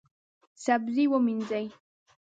سبزي ومینځئ